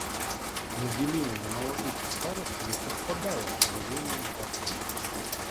Но деление на молодых и старых не совпадало с делением партий.